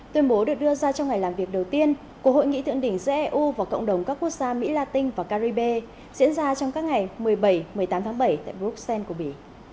tuyên bố được đưa ra trong ngày làm việc đầu tiên của hội nghị thượng đỉnh giữa eu và cộng đồng các quốc gia mỹ la tinh và caribe diễn ra trong các ngày một mươi bảy một mươi tám tháng bảy tại bruxelles của mỹ